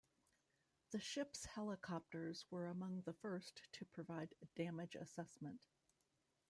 The ship's helicopters were among the first to provide damage assessment.